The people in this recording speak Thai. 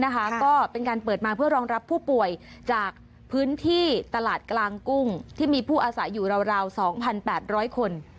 ก็เป็นการเปิดมาเพื่อรองรับผู้ป่วยจากพื้นที่ตลาดกลางกุ้งที่มีผู้อาศัยอยู่ราว๒๘๐๐คน